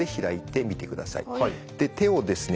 手をですね